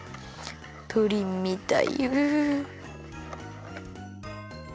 プリンみたいう。